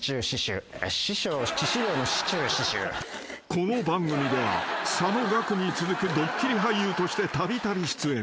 ［この番組では佐野岳に続くドッキリ俳優としてたびたび出演］